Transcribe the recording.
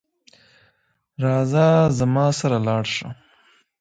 راځه زما سره لاړ شه